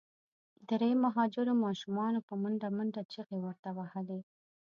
درې مهاجرو ماشومانو په منډه منډه چیغي ورته وهلې.